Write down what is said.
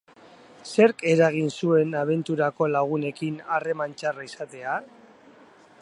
Zerk eragin zuen abenturako lagunekin harreman txarra izatea?